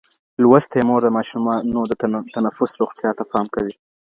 لوستې مور د ماشومانو د تنفس روغتيا ته پام کوي.